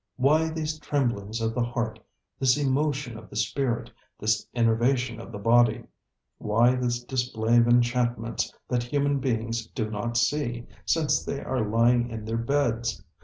Why these tremblings of the heart, this emotion of the spirit, this enervation of the body? Why this display of enchantments that human beings do not see, since they are lying in their beds?